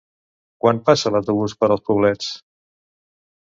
Quan passa l'autobús per els Poblets?